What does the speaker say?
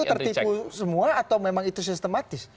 itu tertipu semua atau memang itu sistematis